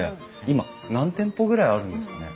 今何店舗ぐらいあるんですかね？